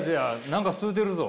何か吸うてるぞ！